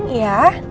gimana ini akan jadi